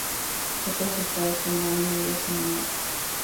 Otros estados tomaron medidas similares.